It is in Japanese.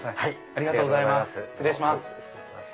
ありがとうございます。